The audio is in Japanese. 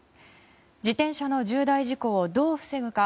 自転車の重大事故をどう防ぐか。